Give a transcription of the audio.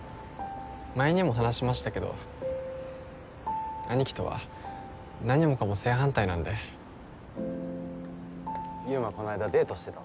前にも話しましたけど兄貴とは何もかも正反対なんでユウマこの間デートしてた